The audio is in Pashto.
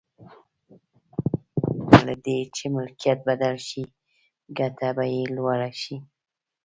پرته له دې چې ملکیت بدل شي ګټه به یې لوړه شي.